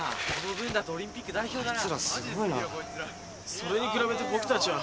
それに比べて僕たちは。